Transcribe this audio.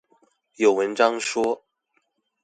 有文章說